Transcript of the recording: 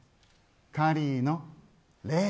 カリーのレー。